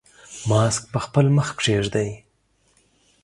ماسک په خپل مخ کېږدئ.